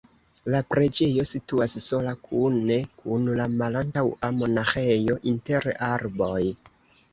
La preĝejo situas sola kune kun la malantaŭa monaĥejo inter arboj.